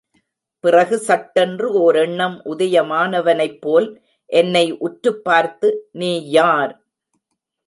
பிறகு சட்டென்று ஓர் எண்ணம் உதயமானவனைப் போல் என்னை உற்றுப்பார்த்து, நீ யார்?